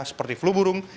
seperti flu burung